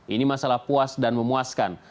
ini masalah puas dan memuaskan